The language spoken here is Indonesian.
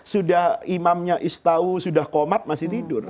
sudah imamnya istau sudah komat masih tidur